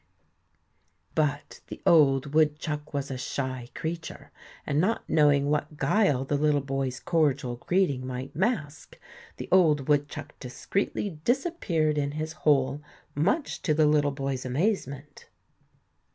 But the old woodchuck was a shy creature, and not knowing what guile the little boy's cordial greeting might mask, the old woodchuck discreetly disappeared in his hole, much to the little boy's amazement.